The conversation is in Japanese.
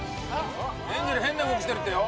エンジェル変なうごきしてるってよ。